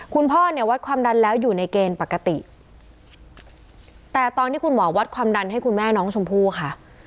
คุณพ่อเนี่ยวัดความดันแล้วอยู่ในเกณฑ์ปกติแต่ตอนที่คุณหมอวัดความดันให้คุณแม่น้องชมพู่ค่ะ